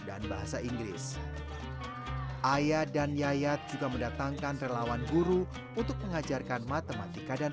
dan bahasa inggris ayah dan yayat juga mendatangkan relawan guru untuk mengajarkan matematika dan